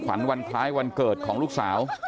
เพื่อนบ้านเจ้าหน้าที่อำรวจกู้ภัย